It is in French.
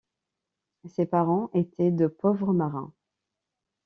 Ses parents étaient de pauvres marins.